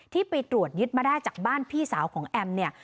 ที่ไปตรวจยึดมาได้จากบ้านพี่สาวของแอมเนี่ย